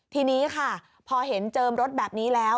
ทีนี้ค่ะพอเห็นเจิมรถแบบนี้แล้ว